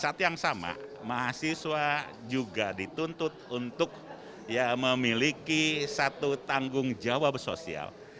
saat yang sama mahasiswa juga dituntut untuk memiliki satu tanggung jawab sosial